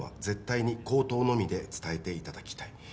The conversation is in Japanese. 「絶対に口頭のみで伝えていただきたい」